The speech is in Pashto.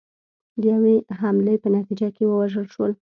د یوې حملې په نتیجه کې ووژل شول.